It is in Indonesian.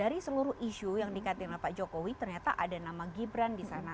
dari seluruh isu yang dikaitkan oleh pak jokowi ternyata ada nama gibran di sana